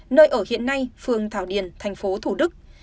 nơi ở hiện nay phường thảo điền tp hcm